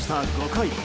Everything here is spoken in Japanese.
５回。